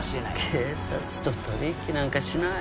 「警察と取引なんかしない。